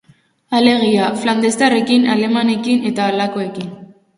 Alegia, flandestarrekin, alemanekin eta halakoekin.